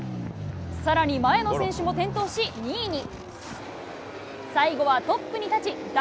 さらに前の選手も転倒し、２位に。